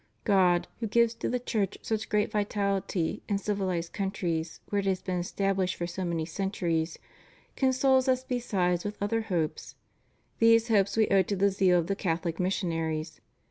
God, who gives to the Church such great vitality in civihzed countries where it has been established for so many centuries, consoles us besides with other hopes. These hopes we owe to the zeal of Catholic missionaries.